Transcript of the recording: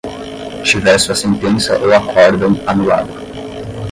tiver sua sentença ou acórdão anulado